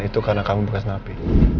itu karena kamu buka senelapi